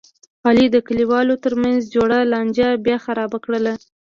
علي د کلیوالو ترمنځ جوړه لانجه بیا خرابه کړله.